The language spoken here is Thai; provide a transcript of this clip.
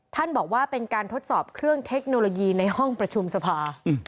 ท่านบอกว่าเป็นการทดสอบเครื่องเทคโนโลยีในห้องประชุมสภา